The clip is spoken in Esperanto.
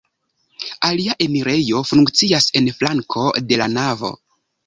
Alia enirejo funkcias en flanko de la navo.